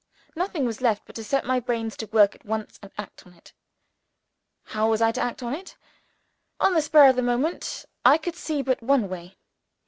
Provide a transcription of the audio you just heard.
Nothing was left but to set my brains to work at once, and act on it. How was I to act on it? On the spur of the moment, I could see but one way.